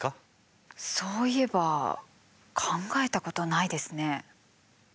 そういえば考えたことないですね。